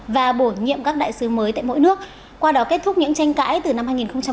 và bổ nhiệm các đại sứ mới tại mỗi nước qua đó kết thúc những tranh cãi từ năm hai nghìn một mươi